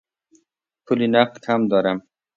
پول نقد کم دارم.